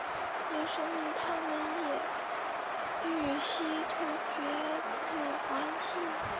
也说明他们与西突厥有关系。